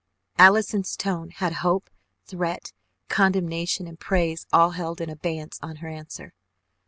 Allison's tone had hope, threat, condemnation and praise all held in abeyance on her answer.